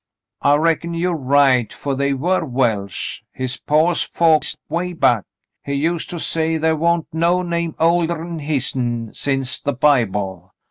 "I reckon you're right, fer they were Welsh — his paw's folks way back. He used to say the' wa'n't no name older'n hisn since the Bible.